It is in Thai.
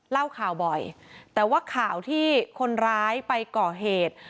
เล่าข่าวบ่อยแต่ว่าข่าวที่คนร้ายไปก่อเหตุ